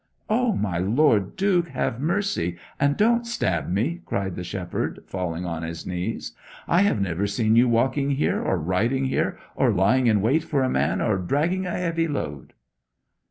'O, my Lord Duke, have mercy, and don't stab me!' cried the shepherd, falling on his knees. 'I have never seen you walking here, or riding here, or lying in wait for a man, or dragging a heavy load!'